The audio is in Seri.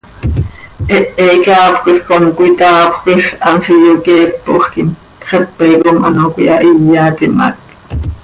Hehe icaapjöquij com cötaapjöquij, hanso iyoqueepojquim, xepe com ano cöihahíyatim hac.